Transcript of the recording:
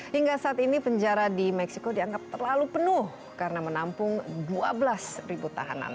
hingga saat ini penjara di meksiko dianggap terlalu penuh karena menampung dua belas tahanan